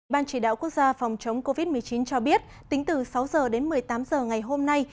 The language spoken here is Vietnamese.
ban chỉ đạo quốc gia phòng chống covid một mươi chín cho biết tính từ sáu h đến một mươi tám h ngày hôm nay